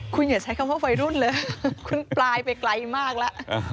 คุณอย่าใช้คำว่าวัยรุ่นเลยคุณปลายไปไกลมากแล้ว